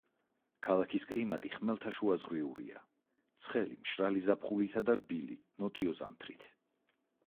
ქალაქის კლიმატი ხმელთაშუაზღვიურია, ცხელი, მშრალი ზაფხულითა და რბილი, ნოტიო ზამთრით.